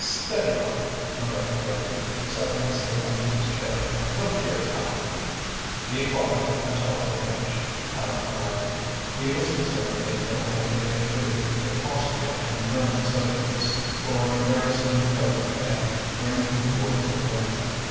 "Steady on," Miller interrupted, suddenly sitting up in his chair. "Look here, Tallente " "Be quiet until I have finished," Tallente went on. "He was concerned in no end of intrigue with Austrian and German Socialists for embarrassing the Government and bringing the war to an end.